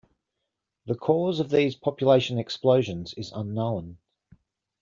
The cause of these population explosions is unknown.